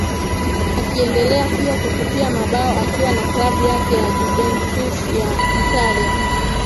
akiendelea pia kutupia mabao akiwa na klabu yake ya Juventus ya Italia